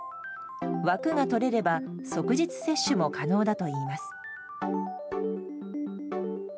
枠が取れれば即日接種も可能だといいます。